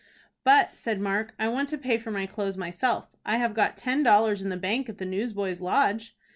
"But," said Mark, "I want to pay for my clothes myself. I have got ten dollars in the bank at the Newsboys' Lodge."